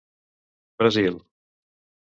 Brasil.